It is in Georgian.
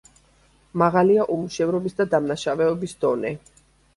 მაღალია უმუშევრობის და დამნაშავეობის დონე.